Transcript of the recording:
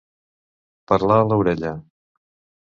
Parlar a l'orella.